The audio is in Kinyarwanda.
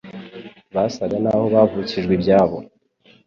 basaga n'aho bavukijwe ibyabo